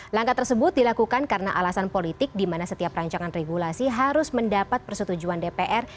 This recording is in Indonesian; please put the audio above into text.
langkah tersebut dilakukan karena alasan politik di mana setiap rancangan regulasi harus mendapat persetujuan dpr